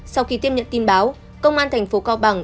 sau khi tiếp nhận tin báo công an tp cao bằng